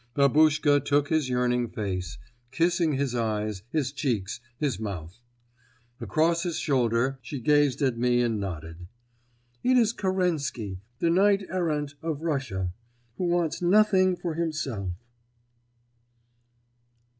Babuschka took his yearning face, kissing his eyes, his cheeks, his mouth. Across his shoulder she gazed at me and nodded. "It is Kerensky, the knight errant of Russia, who wants nothing for himself."